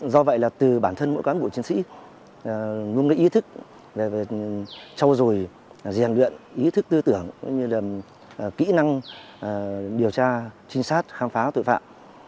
do vậy là từ bản thân mỗi cán bộ chiến sĩ luôn có ý thức về trâu rồi giàn luyện ý thức tư tưởng kỹ năng điều tra trinh sát khám phá tội phạm